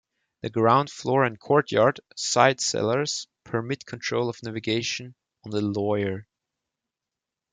The ground floor and courtyard side cellars permit control of navigation on the Loire.